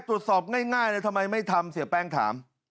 ตรวจสอบง่ายเลยทำไมไม่ทำเสียแป้งถาม